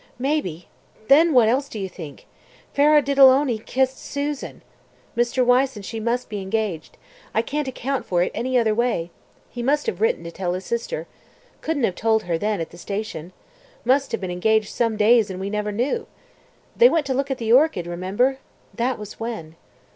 "Maybe. Then what else do you think? Faradiddleony kissed Susan! Mr. Wyse and she must be engaged. I can't account for it any other way. He must have written to tell his sister. Couldn't have told her then at the station. Must have been engaged some days and we never knew. They went to look at the orchid. Remember? That was when."